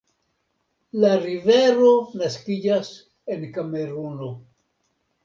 La rivero naskiĝas en Kameruno.